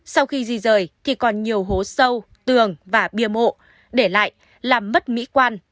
sau khi di rời thì còn nhiều hố sâu tường và bia mộ để lại làm mất mỹ quan